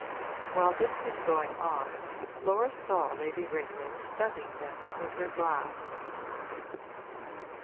While this was going on Laura saw Lady Ringrose studying them with her glass.